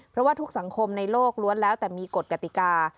เพราะว่าทุกสังคมในโลกล้วนแล้วแต่มีกฎกติกา